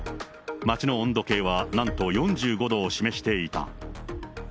街の温度計は、なんと４５度を示していた。